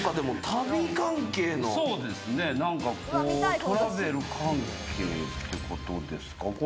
トラベル関係ってことですか？